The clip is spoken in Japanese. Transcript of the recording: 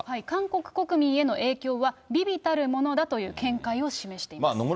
韓国国民への影響は微々たるものだという見解を示しています。